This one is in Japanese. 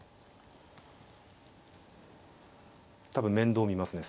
多分面倒見ますね。